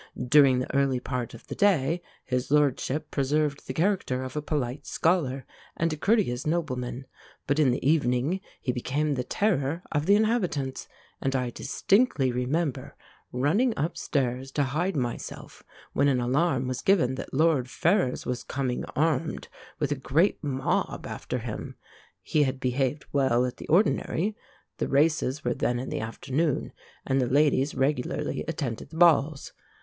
During the early part of the day his lordship preserved the character of a polite scholar and a courteous nobleman, but in the evening he became the terror of the inhabitants; and I distinctly remember running upstairs to hide myself when an alarm was given that Lord Ferrers was coming armed, with a great mob after him. He had behaved well at the ordinary; the races were then in the afternoon, and the ladies regularly attended the balls.